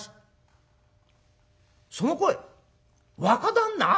その声若旦那？